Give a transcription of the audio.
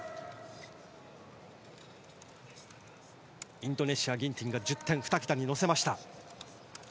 インドネシア、ギンティンが１０点、２桁に乗せました。